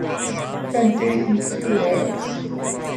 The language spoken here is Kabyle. Anda ay tent-turamt?